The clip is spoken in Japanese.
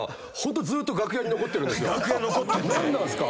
何なんすか？